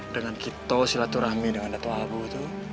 dengan kita silaturahmi dengan dato abu itu